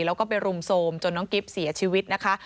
แล้วก็ไปรุมโทรมจนน้องกิ๊บเสียชีวิตนะคะ